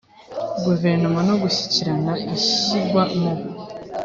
guverinoma no gukurikirana ishyirwa mu